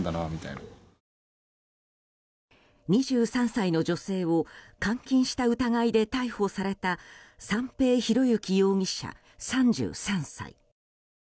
２３歳の女性を監禁した疑いで逮捕された三瓶博幸容疑者、３３歳。